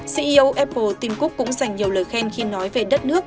ceo apple tim cook cũng dành nhiều lời khen khi nói về đất nước